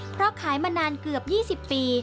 เพราะขายมานานเกือบ๒๐ปี